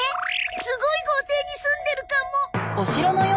すごい豪邸に住んでるかも！